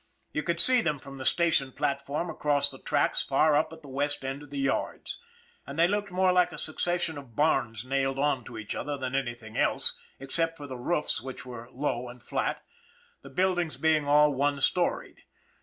You could see them from the station platform across the tracks far up at the west end of the yards; and they looked more like a succession of barns nailed on to each other than anything else, except for the roofs which were low and flat the buildings being all one storied.